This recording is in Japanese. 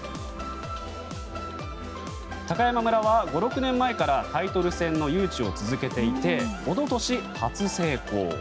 高山村は５６年前からタイトル戦の誘致を続けていて一昨年、初成功。